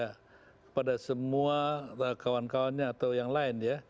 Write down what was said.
kepada semua kawan kawannya atau yang lain ya